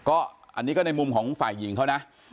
ก็อันนี้ก็ในมุมของฝ่ายหญิงเขานะ